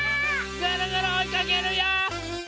ぐるぐるおいかけるよ！